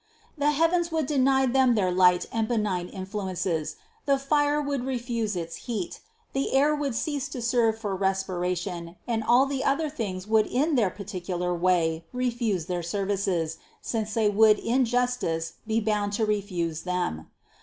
The heavens 288 CITY OF GOD would deny them their light and benign influences, the fire would refuse its heat, the air would cease to serve for respiration, and all the other things would in their par ticular way refuse their services, since they would in jus tice be bound to refuse them.